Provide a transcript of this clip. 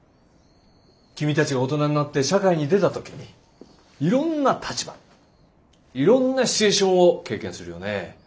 君たちが大人になって社会に出た時にいろんな立場いろんなシチュエーションを経験するよね。